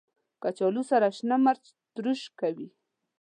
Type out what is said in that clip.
کچالو سره شنه مرچ تروش کوي